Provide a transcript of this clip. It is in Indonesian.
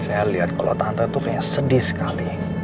saya liat kalau tante tuh kayaknya sedih sekali